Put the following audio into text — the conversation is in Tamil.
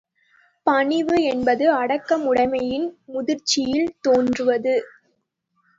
பணிவு என்பது அடக்கமுடைமையின் முதிர்ச்சியில் தோன்றுவது.